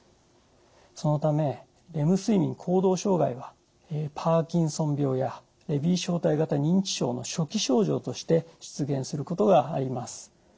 そのためレム睡眠行動障害はパーキンソン病やレビー小体型認知症の初期症状として出現することがあります。